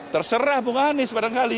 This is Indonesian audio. terserah bung anies pada kali